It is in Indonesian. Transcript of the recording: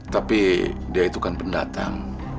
tapi dia itu kan pendatang